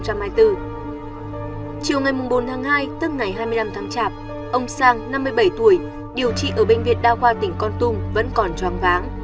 chiều ngày bốn tháng hai tức ngày hai mươi năm tháng chạp ông sang năm mươi bảy tuổi điều trị ở bệnh viện đa khoa tỉnh con tum vẫn còn choáng váng